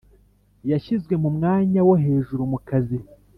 Yashyizwe mu mwanya wo hejuru mukazi